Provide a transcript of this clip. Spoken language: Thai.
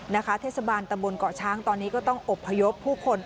เทศบาลตำบลเกาะช้างตอนนี้ก็ต้องอบพยพผู้คน